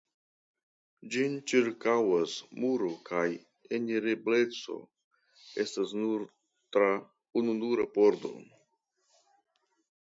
Ĝin ĉirkaŭas muro kaj enirebleco estas nur tra ununura pordo.